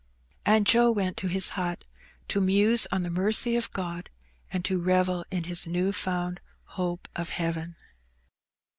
And Joe went to his hut to muse on the mercy of Gx>d, and to revel in his new found hope of heaven.